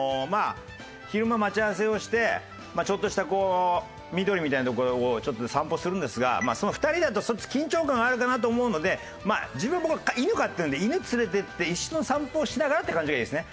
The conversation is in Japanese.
昼間待ち合わせをしてちょっとした緑みたいな所をちょっと散歩するんですが２人だと緊張感あるかなと思うので自分犬飼ってるんで犬連れてって一緒に散歩をしながらって感じがいいですね。